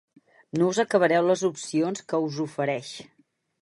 No us acabareu les opcions que us ofereix.